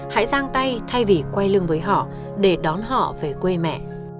hãy ra tay thay vì quay lưng với họ để đón họ về quê mẹ